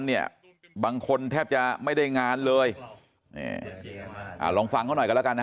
เนี่ยบางคนแทบจะไม่ได้งานเลยอ่าลองฟังเขาหน่อยกันแล้วกันนะ